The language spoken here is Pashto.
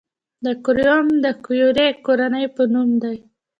د کوریوم د کیوري کورنۍ په نوم دی.